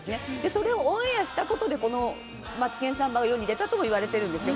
それをオンエアしたことで、このマツケンサンバが世に出たともいわれてるんですよ。